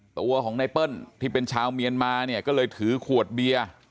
ตัวของไนเปิ้ลที่เป็นชาวเมียนมาเนี่ยก็เลยถือขวดเบียร์